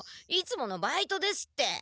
いつものバイトですって！